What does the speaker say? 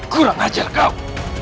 kurang ajar kau